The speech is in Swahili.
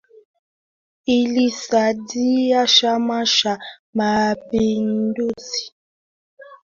iliisaidia Chama cha mapinduzi kujadiliwa tena na wananchi wengi wakianza kuona kuwa kumbe hata